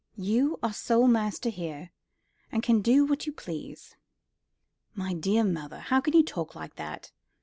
You are sole master here, and can do what you please." "My dear mother, how can you talk like that?